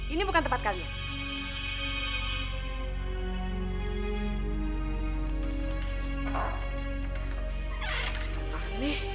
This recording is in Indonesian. ini bukan tempat kalian